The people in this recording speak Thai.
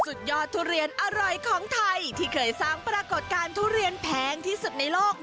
สุดยอดทุเรียนอร่อยของไทยที่เคยสร้างปรากฏการณ์ทุเรียนแพงที่สุดในโลก